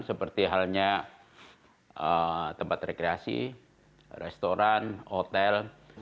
seperti halnya tempat rekreasi restoran hotel